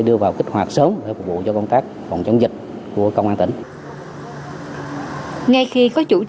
để đảm bảo công tác phòng chống dịch bệnh covid một mươi chín